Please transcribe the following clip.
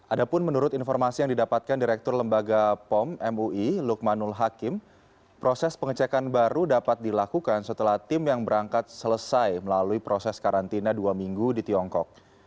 ada pun menurut informasi yang didapatkan direktur lembaga pom mui lukmanul hakim proses pengecekan baru dapat dilakukan setelah tim yang berangkat selesai melalui proses karantina dua minggu di tiongkok